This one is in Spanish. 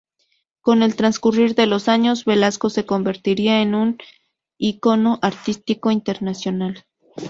Con el transcurrir de los años, Velasco se convertiría en un icono artístico internacional.